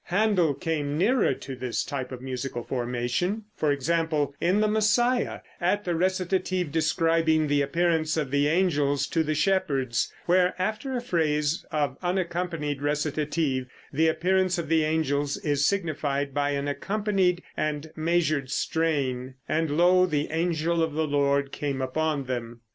Händel came nearer to this type of musical formation, for example, in the "Messiah," at the recitative describing the appearance of the angels to the shepherds, where, after a phrase of unaccompanied recitative, the appearance of the angels is signified by an accompanied and measured strain, "And lo, the angel of the Lord came upon them."